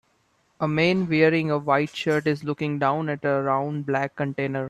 A man wearing a white shirt is looking down at a round black container